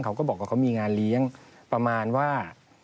เขาก็บอกว่าเขามีงานเลี้ยงประมาณว่า